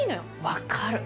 分かる！